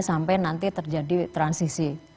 sampai nanti terjadi transisi